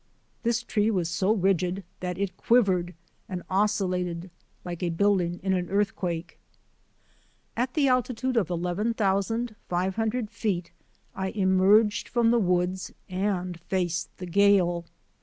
This tree was so rigid that it quivered and oscillated like a building in an earthquake. At the altitude of 11,500 feet I emerged from the woods and faced the gale.